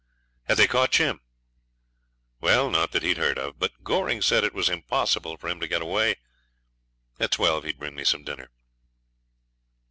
'Had they caught Jim?' 'Well, not that he'd heard of; but Goring said it was impossible for him to get away. At twelve he'd bring me some dinner.'